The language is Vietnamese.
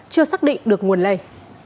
chưa xác định được nguồn lây